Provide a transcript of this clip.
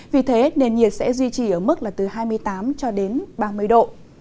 vì thế nền nhiệt sẽ duy trì ở mức là từ hai mươi tám ba mươi độ